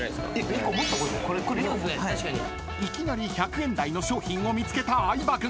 ［いきなり１００円台の商品を見つけた相葉軍］